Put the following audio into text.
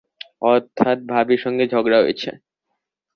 অর্থাৎ ভাবির সঙ্গে ঝগড়া হয়েছে।